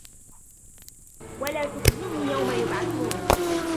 وَلَا تُخْزِنِي يَوْمَ يُبْعَثُونَ